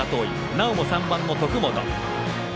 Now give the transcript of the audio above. なおも３番の徳丸。